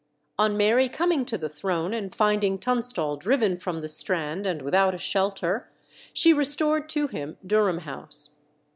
On Mary coming to the throne and finding Tunstall driven from the Strand and without a shelter, she restored to him Durham House.